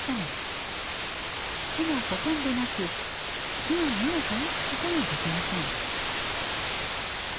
土がほとんどなく木が根を生やすこともできません。